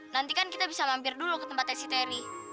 nanti kan kita bisa mampir dulu ke tempatnya siteri